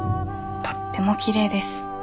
とってもきれいです」。